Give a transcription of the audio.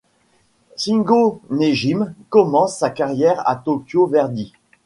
Shingo Nejime commence sa carrière au Tokyo Verdy.